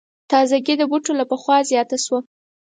تازګي د بوټو له پخوا زیاته شوه.